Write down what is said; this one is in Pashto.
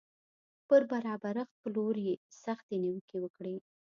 پر برابرښت پلور یې سختې نیوکې وکړې